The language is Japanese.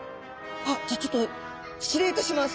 あっじゃあちょっと失礼いたします。